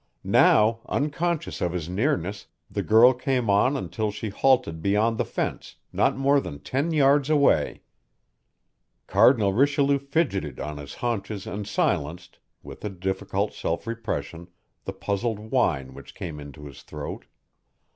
Now, unconscious of his nearness, the girl came on until she halted beyond the fence, not more than ten yards away. Cardinal Richelieu fidgeted on his haunches and silenced, with a difficult self repression, the puzzled whine which came into his throat.